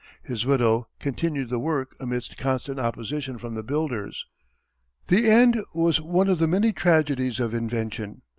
His widow continued the work amidst constant opposition from the builders. The end was one of the many tragedies of invention.